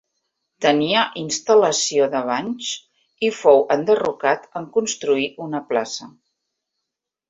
Tenia instal·lació de banys, i fou enderrocat en construir una plaça.